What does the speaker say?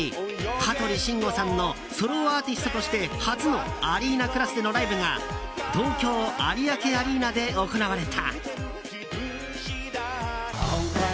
香取慎吾さんのソロアーティストとして初のアリーナクラスでのライブが東京・有明アリーナで行われた。